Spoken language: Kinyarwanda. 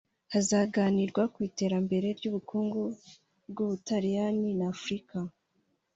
Hazaganirwa ku iterambere ry’ubukungu bw’u Butaliyani na Afurika